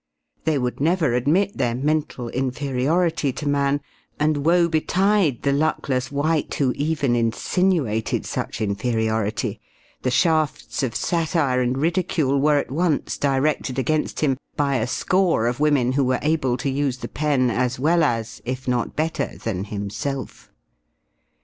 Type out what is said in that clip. They would never admit their mental inferiority to man, and woe betide the luckless wight who even insinuated such inferiority. The shafts of satire and ridicule were at once directed against him by a score of women who were able to use the pen as well as, if not better than, himself.